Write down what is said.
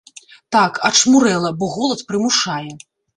Так, ачмурэла, бо голад прымушае.